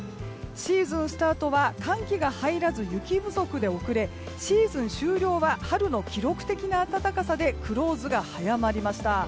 シーズンスタートは寒気が入らず雪不足で遅れ、シーズン終了は春の記録的な暖かさでクローズが早まりました。